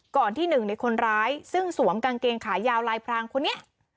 ที่หนึ่งในคนร้ายซึ่งสวมกางเกงขายาวลายพรางคนนี้